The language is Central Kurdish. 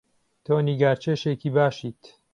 تۆ نیگارکێشێکی باشیت.